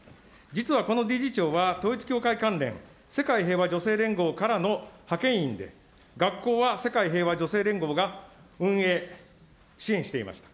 実はこの理事長は統一教会関連、世界平和女性連合からの派遣員で、学校は世界平和女性連合が運営、支援していました。